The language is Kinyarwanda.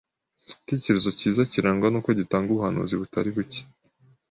Igitekerezo cyiza kirangwa nuko gitanga ubuhanuzi butari buke